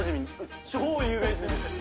超有名人ですよ。